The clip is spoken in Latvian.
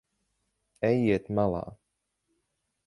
Ejiet malā.